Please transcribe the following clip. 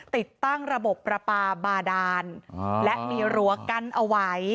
ติดตั้งระบบประปาบาดานและมีรั้วกั้นเอาไว้